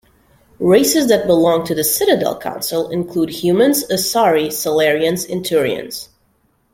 Races that belong to the Citadel Council include humans, asari, salarians, and turians.